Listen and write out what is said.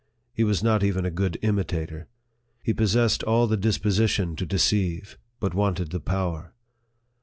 He was not even a good imitator. He possessed all the disposition to deceive, but wanted the power.